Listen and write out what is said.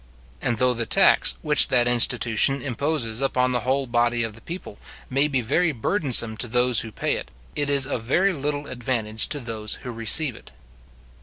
And though the tax, which that institution imposes upon the whole body of the people, may be very burdensome to those who pay it, it is of very little advantage to those who receive it.